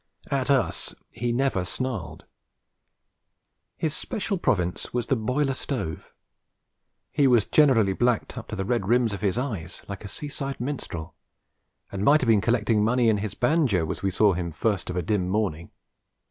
At us he never snarled. His special province was the boiler stove; he was generally blacked up to the red rims of his eyes, like a seaside minstrel, and might have been collecting money in his banjo as we saw him first of a dim morning.